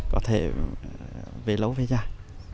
có thể về lâu về dài